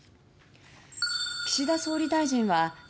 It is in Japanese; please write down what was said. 岸田総理大臣はＧ７・